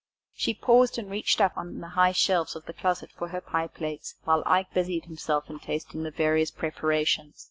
She paused and reached up on the high shelves of the closet for her pie plates, while Ike busied himself in tasting the various preparations.